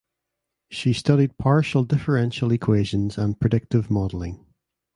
She studied partial differential equations and predictive modelling.